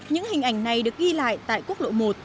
những hình ảnh này được ghi lại tại quốc lộ một